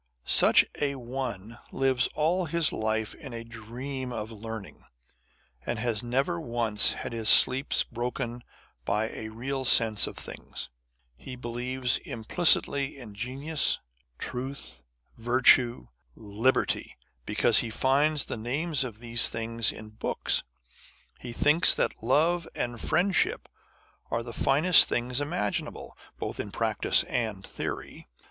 Such a one lives all his life in a dream of learning, and has never once had his sleep broken by a real sense of things. He believes implicitly in genius, truth, virtue, liberty, because he finds the names of these things in books. He thinks that love and friendship are the finest things imaginable, both in practice and theory.